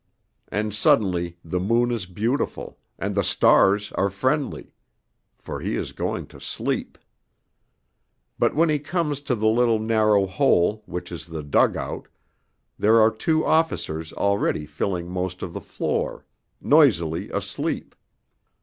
And suddenly the moon is beautiful, and the stars are friendly for he is going to sleep. But when he comes to the little narrow hole, which is the dug out, there are two officers already filling most of the floor, noisily asleep.